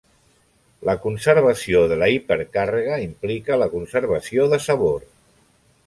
La conservació de la hipercàrrega implica la conservació de sabor.